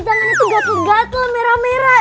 dan itu gatel gatel merah merah